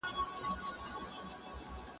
هيلمنه